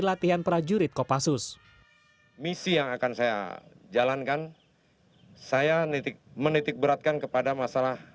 latihan prajurit kopassus misi yang akan saya jalankan saya nitik menitik beratkan kepada masalah